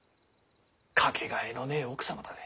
掛けがえのねぇ奥様だで。